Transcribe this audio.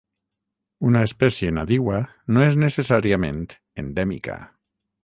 Una espècie nadiua no és necessàriament endèmica.